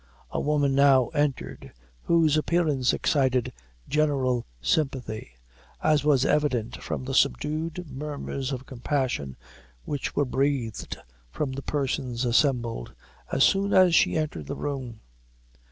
A woman now entered, whose appearance excited general sympathy, as was evident from the subdued murmurs of compassion which were breathed from the persons assembled, as soon as she entered the room.